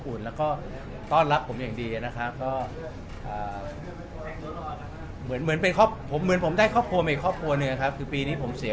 สินสอบก็คือตามความเหมาะสมก็ให้เกียรติน้องนาย